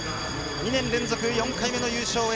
２年連続４回目の優勝へ。